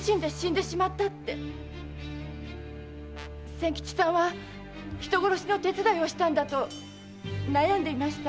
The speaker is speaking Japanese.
仙吉さんは人殺しの手伝いをしたんだと悩んでいました。